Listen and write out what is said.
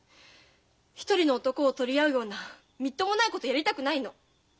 一人の男を取り合うようなみっともないことやりたくないの。